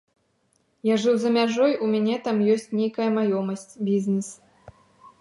Я жыў за мяжой, у мяне там ёсць нейкая маёмасць, бізнес.